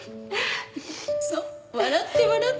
そう笑って笑って。